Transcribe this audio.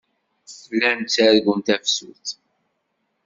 Llan ttargun tafsut.